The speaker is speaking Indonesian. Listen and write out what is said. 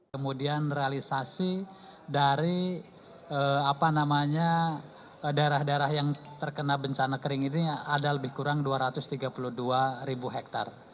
kemudian realisasi dari daerah daerah yang terkena bencana kering ini ada lebih kurang dua ratus tiga puluh dua ribu hektare